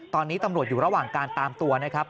ตอนนี้ตำรวจอยู่ระหว่างการตามตัวนะครับ